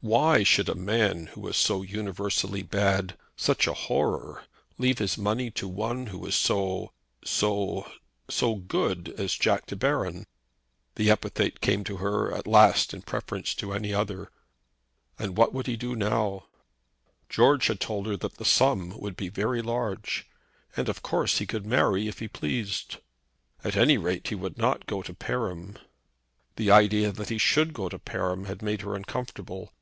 Why should a man who was so universally bad, such a horror, leave his money to one who was so so so good as Jack De Baron. The epithet came to her at last in preference to any other. And what would he do now? George had told her that the sum would be very large, and of course he could marry if he pleased. At any rate he would not go to Perim. The idea that he should go to Perim had made her uncomfortable.